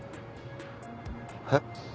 えっ？